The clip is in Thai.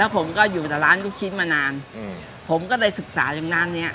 แล้วผมก็อยู่แต่ร้านลูกชิ้นมานานอืมผมก็ได้ศึกษาอย่างนั้นเนี้ย